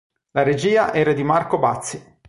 La regia era di Marco Bazzi.